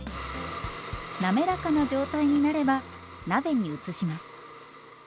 滑らかな状態になれば鍋に移します。